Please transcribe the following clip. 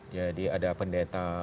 jadi ada pendeta